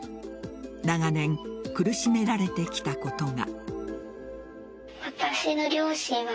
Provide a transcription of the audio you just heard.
長年、苦しめられてきたことが。